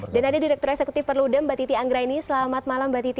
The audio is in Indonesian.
dan ada direktur eksekutif perludem mbak titi anggraini selamat malam mbak titi